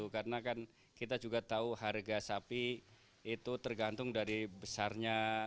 karena kita juga tahu harga sapi itu tergantung dari besarnya